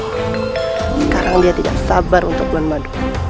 sekarang dia tidak sabar untuk melakukan